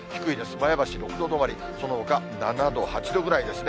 前橋６度止まり、そのほか７度、８度ぐらいですね。